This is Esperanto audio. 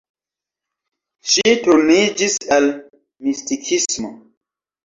Ŝi turniĝis al mistikismo.